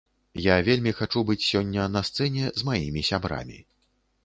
Я вельмі хачу быць сёння на сцэне з маімі сябрамі.